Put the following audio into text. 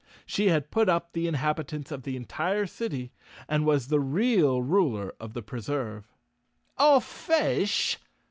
She had put up the inhabitants of the entire city and was the real ruler of the Preserve. "A fish!"